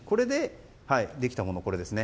できたものは、これですね。